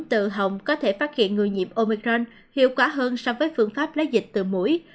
tự học có thể phát hiện người nhiễm omicron hiệu quả hơn so với phương pháp lấy dịch từ mũi